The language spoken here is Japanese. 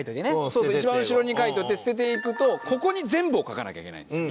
そうそう一番後ろに書いといて捨てていくとここに全部を書かなきゃいけないんですよ。